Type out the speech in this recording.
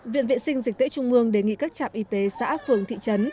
viện vệ sinh dịch tễ trung mương đề nghị các trạm y tế xã phường thị trấn